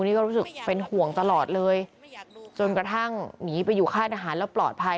นี่ก็รู้สึกเป็นห่วงตลอดเลยจนกระทั่งหนีไปอยู่ค่ายทหารแล้วปลอดภัย